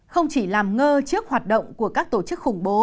không chỉ làm ngơ trước hoạt động của các tổ chức khủng bố